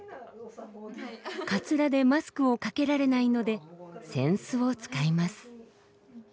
カツラでマスクをかけられないので扇子を使います。